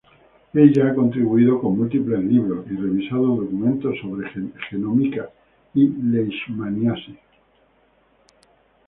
Ella ha contribuido con múltiples libros y revisado documentos sobre genómica y Leishmaniasis.